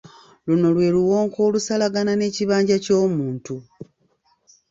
Luno lwe luwonko olusalagana n'ekibanja ky'omuntu.